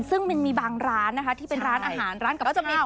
ซึ่งมันมีบางร้านที่เป็นร้านอาหารร้านกับข้าว